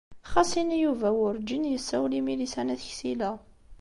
Xas ini Yuba wurǧin yessawel i Milisa n At Ksila.